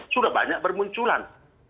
sudah banyak bermunculan